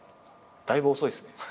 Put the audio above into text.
だいぶ遅いっすね。